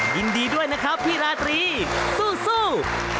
ยินดีด้วยนะครับพี่ราตรีสู้